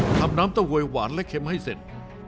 ทำน้ำเต้าโวยหวานและเค็มให้เสร็จ